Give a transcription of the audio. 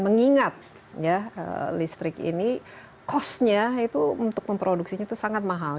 mengingat listrik ini cost nya itu untuk memproduksinya itu sangat mahal